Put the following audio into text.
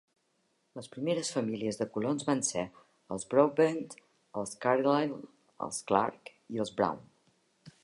Les primeres famílies de colons van ser els Broadbent, els Carlisle, els Clark i els Brown.